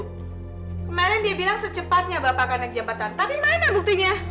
kemarin dia bilang secepatnya bapak akan naik jabatan tapi mana buktinya